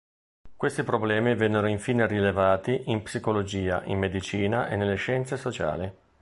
Questi problemi vennero infine rilevati in Psicologia, in Medicina e nelle Scienze sociali.